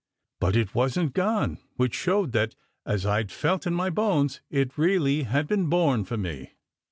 But it wasn t gone; which showed that, as I d felt in my bones, it really had been born for me.